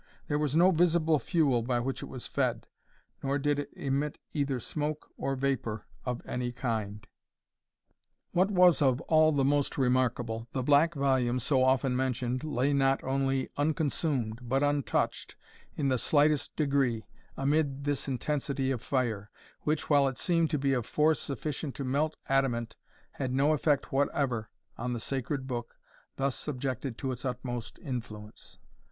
There was no visible fuel by which it was fed, nor did it emit either smoke or vapour of any kind. What was of all the most remarkable, the black volume so often mentioned lay not only unconsumed, but untouched in the slightest degree, amid this intensity of fire, which, while it seemed to be of force sufficient to melt adamant, had no effect whatever on the sacred book thus subjected to its utmost influence.